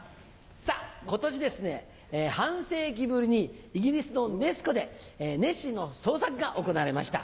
さぁ今年ですね半世紀ぶりにイギリスのネス湖でネッシーの捜索が行われました。